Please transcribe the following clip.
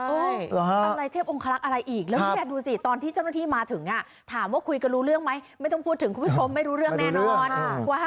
อะไรเทพองคลักษณ์อะไรอีกแล้วเนี่ยดูสิตอนที่เจ้าหน้าที่มาถึงถามว่าคุยกันรู้เรื่องไหมไม่ต้องพูดถึงคุณผู้ชมไม่รู้เรื่องแน่นอน